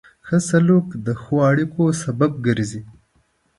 ښه سلوک د ښو اړیکو سبب ګرځي.